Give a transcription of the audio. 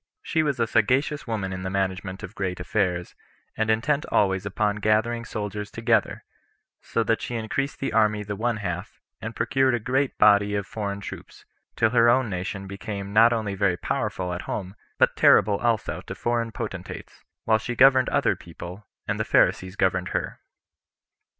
She was a sagacious woman in the management of great affairs, and intent always upon gathering soldiers together; so that she increased the army the one half, and procured a great body of foreign troops, till her own nation became not only very powerful at home, but terrible also to foreign potentates, while she governed other people, and the Pharisees governed her.